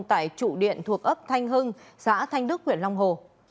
tại trụ điện thuộc ấp thanh hưng xã thanh đức huyện long hồ